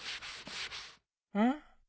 うん？